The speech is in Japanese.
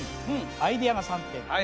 アイデアが３点。